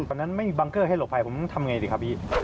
ตอนนั้นไม่มีบังเกอร์ให้หลบภัยผมต้องทำอย่างไรสิครับพี่